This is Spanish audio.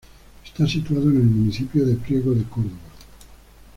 Está situado en el municipio de Priego de Córdoba.